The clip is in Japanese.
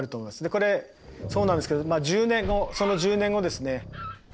これそうなんですけどその１０年後ですね